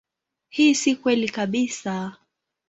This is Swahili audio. Hii si kweli kabisa.